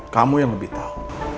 kamu yang lebih tahu